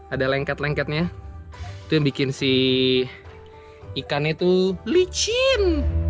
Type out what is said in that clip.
ada lengket lengketnya itu yang bikin si ikannya itu licin